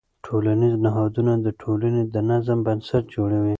ټولنیز نهادونه د ټولنې د نظم بنسټ جوړوي.